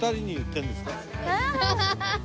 ハハハハ！